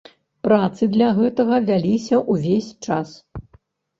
Працы для гэтага вяліся ўвесь час.